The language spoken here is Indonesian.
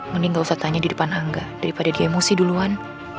mending gak usah tanya di depan angga daripada dia emosi duluan